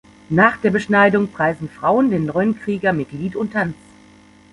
Nach der Beschneidung preisen Frauen den neuen Krieger mit Lied und Tanz.